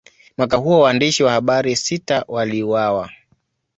Mwaka huo, waandishi wa habari sita waliuawa.